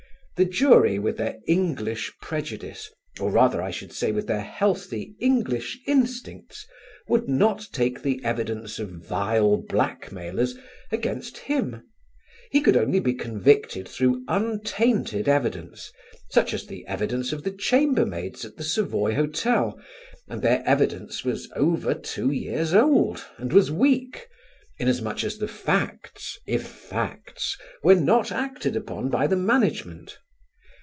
The jury with their English prejudice; or rather I should say with their healthy English instincts would not take the evidence of vile blackmailers against him; he could only be convicted through untainted evidence such as the evidence of the chambermaids at the Savoy Hotel, and their evidence was over two years old and was weak, inasmuch as the facts, if facts, were not acted upon by the management.